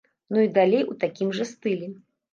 Ну і далей у такім жа стылі.